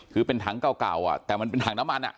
คือเป็นถังเก่าแต่มันเป็นถังน้ำมัน